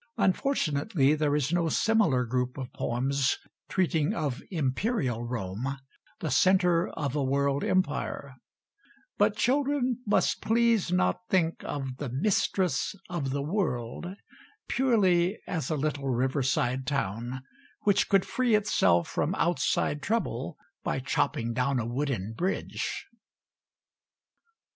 Unfortunately there is no similar group of poems treating of Imperial Rome, the centre of a world empire; but children must please not think of the Mistress of the World purely as a little riverside town which could free itself from outside trouble by chopping down a wooden bridge.